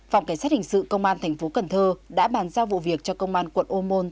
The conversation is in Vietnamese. phòng cảnh sát hình sự công an thành phố cần thơ đã bàn giao vụ việc cho công an quận ô môn